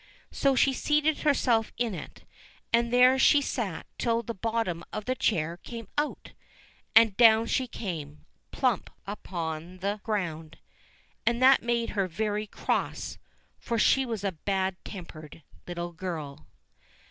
So she seated herself in it, and there she sate till the bottom of the chair came out, and down she came, plump upon the ground ; and that made her very cross, for she was a bad tempered little girl.